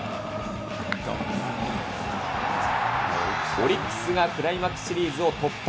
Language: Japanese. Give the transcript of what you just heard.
オリックスがクライマックスシリーズを突破。